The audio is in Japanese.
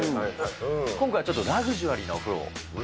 今回ちょっとラグジュアリーなお風呂を。